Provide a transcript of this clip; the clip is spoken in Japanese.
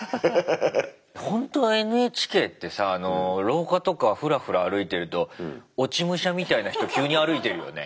ほんとＮＨＫってさ廊下とかふらふら歩いてると落ち武者みたいな人急に歩いてるよね。